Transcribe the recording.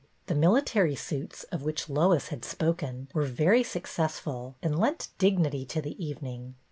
The military suits, of which Lois had spoken, were very successful and lent dig nity to the evening.